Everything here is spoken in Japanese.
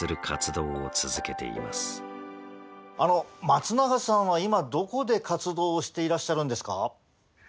松永さんは今どこで活動をしていらっしゃるんですか？